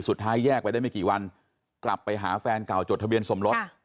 แยกไปได้ไม่กี่วันกลับไปหาแฟนเก่าจดทะเบียนสมรส